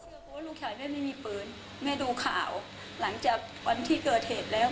เพราะว่าลูกชายแม่ไม่มีปืนแม่ดูข่าวหลังจากวันที่เกิดเหตุแล้ว